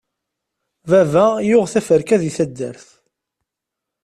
Baba yuɣ teferka di taddart.